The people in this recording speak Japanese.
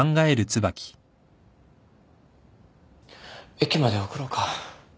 駅まで送ろうか？